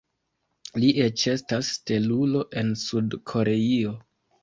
Li eĉ estas stelulo en Sud-Koreio.